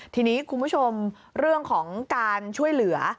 ทีนี้คุณผู้ชมเรื่องของการช่วยเหลือ